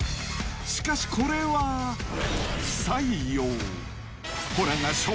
しかし、これは不採用。